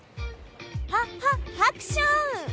ハ、ハ、ハクション！